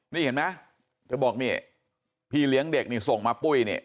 นี่เห็นไหมเธอบอกนี่พี่เลี้ยงเด็กนี่ส่งมาปุ้ยเนี่ย